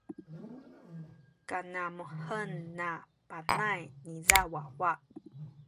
kanamuhen na Panay kiza wawa.